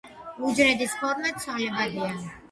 უჯრედის ფორმა ცვალებადია.